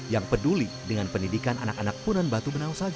yang peduli dengan pendidikan anak anak punan batu penawasannya